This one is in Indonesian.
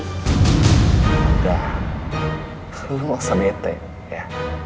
enggak lu masa bete ya